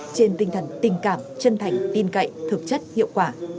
trên tinh thần tình cảm chân thành tin cậy thực chất hiệu quả